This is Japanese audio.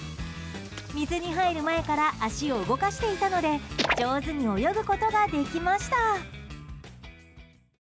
水に入る前から足を動かしていたので上手に泳ぐことができました。